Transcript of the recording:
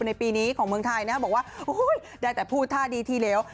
ในปีนี้ของเมืองไทยบอกว่าได้แต่พูดท่าดีทีเหลว